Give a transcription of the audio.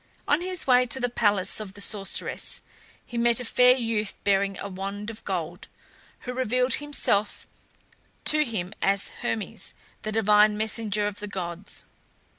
On his way to the palace of the sorceress he met a fair youth bearing a wand of gold, who revealed himself to him as Hermes, the divine messenger of the gods.